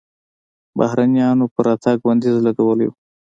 بهرنیانو پر راتګ بندیز لګولی و.